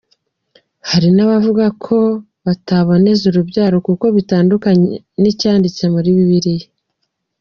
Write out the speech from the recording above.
Hari n’abavuga ko bataboneza urubyaro kuko binyuranye n’ibyanditse muri bibiliya.